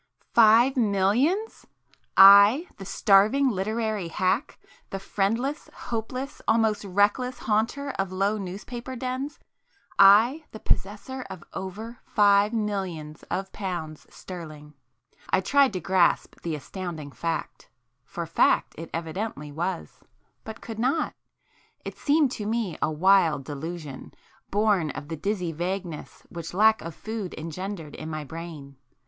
Five Millions! I, the starving literary hack,—the friendless, hopeless, almost reckless haunter of low newspaper dens,—I, the possessor of "over Five Millions of Pounds Sterling"! I tried to grasp the astounding fact,—for fact it evidently was,—but could not. It seemed to me a wild delusion, born of the dizzy vagueness which lack of food engendered in my brain.